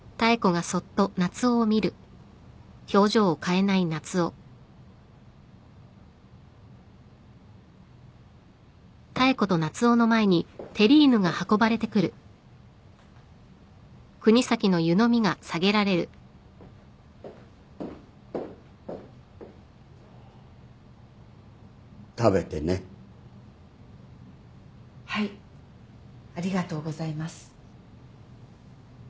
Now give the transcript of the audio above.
ありがとうございます。